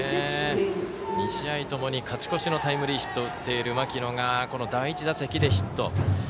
２試合ともに勝ち越しのタイムリーヒットを打っている牧野が、第１打席でヒット。